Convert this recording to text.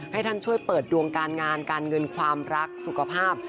ให้ท่านช่วยเปิดดวงการงานการเงินความรักสุขภาพ